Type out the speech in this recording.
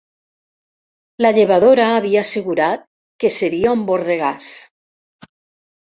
La llevadora havia assegurat que seria un bordegàs.